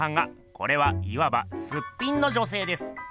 これはいわば「すっぴん」の女せいです。